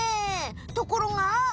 ところが？